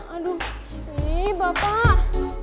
aduh ini bapak